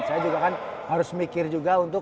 saya juga kan harus mikir juga untuk